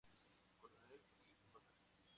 Coronel y Lota.